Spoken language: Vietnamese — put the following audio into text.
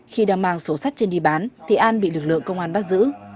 khi đang mang số sắt trên đi bán thì an bị lực lượng công an bắt giữ